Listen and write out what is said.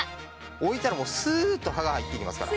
置いたらもうスーッと刃が入っていきますから。